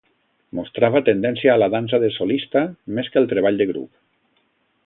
Mostrava tendència a la dansa de solista més que al treball de grup.